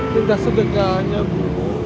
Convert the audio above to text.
tidak segegalnya bu